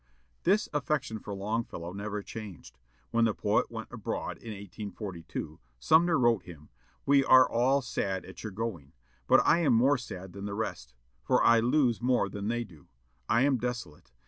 This affection for Longfellow never changed. When the poet went abroad in 1842, Sumner wrote him, "We are all sad at your going; but I am more sad than the rest, for I lose more than they do. I am desolate.